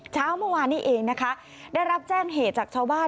เช้าเมื่อวานนี้เองนะคะได้รับแจ้งเหตุจากชาวบ้าน